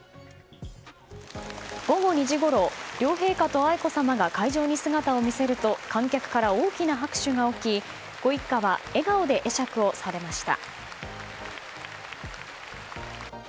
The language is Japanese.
午後２時ごろ両陛下と愛子さまが会場に姿を見せると観客から大きな拍手が起きご一家は笑顔で会釈をされました。